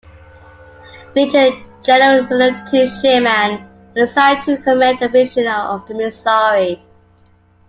Major General William T. Sherman was assigned to command the Division of the Missouri.